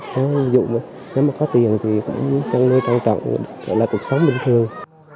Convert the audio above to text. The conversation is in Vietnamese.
nếu có tiền thì cũng chăn nuôi trồng trọng gọi là cuộc sống bình thường